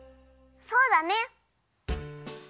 そうだね。